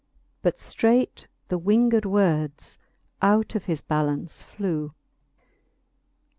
But ftreight the winged words out of his ballaunce flew. • XLV.